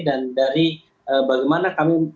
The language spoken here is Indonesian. dan dari bagaimana kami